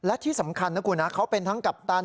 และที่สำคัญนะคุณนะเขาเป็นทั้งกัปตัน